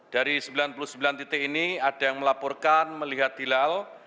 dari sembilan puluh sembilan titik ini ada yang melaporkan melihat hilal